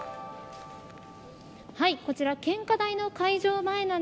こちら、献花台の会場